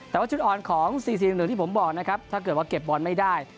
แต่ว่าชุดอ่อนของสี่สี่หนึ่งหนึ่งที่ผมบอกนะครับถ้าเกิดว่าเก็บบอลไม่ได้